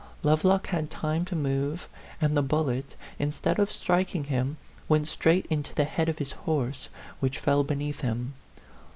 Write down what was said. Lovelock had time to move, and the bullet, instead of striking him, went straight into the head of his horse, which fell beneath him.